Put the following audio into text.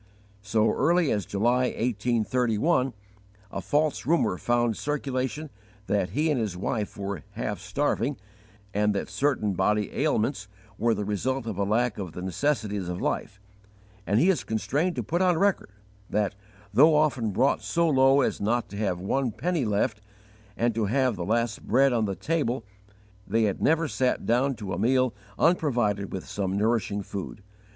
So early as July, 1831, a false rumour found circulation that he and his wife were half starving and that certain bodily ailments were the result of a lack of the necessities of life; and he is constrained to put on record that, though often brought so low as not to have one penny left and to have the last bread on the table, they had never yet sat down to a meal unprovided with some nourishing food.